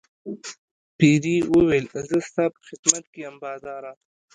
پیري وویل زه ستا په خدمت کې یم باداره.